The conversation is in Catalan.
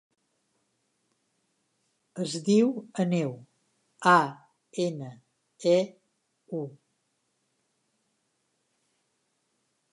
Es diu Aneu: a, ena, e, u.